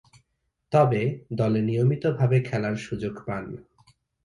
তবে, দলে নিয়মিতভাবে খেলার সুযোগ পান।